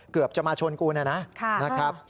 เกือบจะมาชนกูเนี่ยนะ